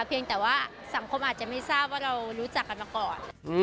เพียงแต่ว่าสังคมอาจจะไม่ทราบว่าเรารู้จักกันมาก่อน